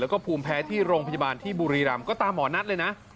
แล้วก็ภูมิแพ้ที่โรงพยาบาลที่บุรีรำก็ตามหมอนัดเลยนะ